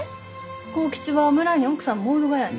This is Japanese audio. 幸吉は村に奥さんもおるがやに。